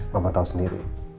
mama tau sendiri